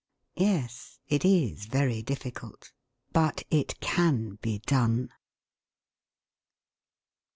Yes, it is very difficult. But it can be done.